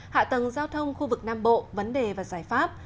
hạ tầng giao thông khu vực nam bộ vấn đề và giải pháp